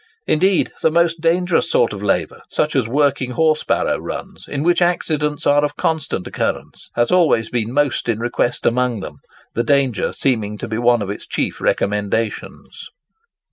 Indeed the most dangerous sort of labour—such as working horse barrow runs, in which accidents are of constant occurrence—has always been most in request amongst them, the danger seeming to be one of its chief recommendations.